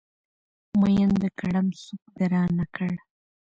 ميين د کړم سوک د رانه کړ